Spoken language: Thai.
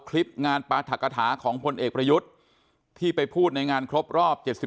คลิปงานปราธกฐาของพลเอกประยุทธ์ที่ไปพูดในงานครบรอบ๗๒